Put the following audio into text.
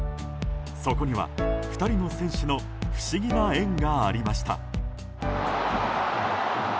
そこには２人の選手の不思議な縁がありました。